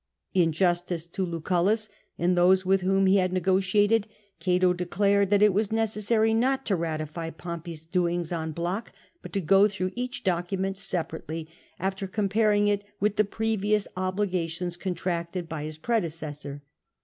In justice to Lucullus and those with whom he had negotiated, Cato declared that it was necessary not to ratify Pompey's doings en Hoc, but to go through each document separately, after comparing it with the previous obligations contracted by his predecessor.